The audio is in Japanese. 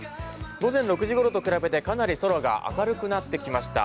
午前６時頃と比べてかなり空が明るくなってきました。